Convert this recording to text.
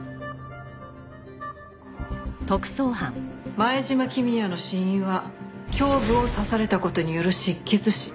前島公也の死因は胸部を刺された事による失血死。